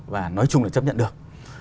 và nói chung là chấp nhận được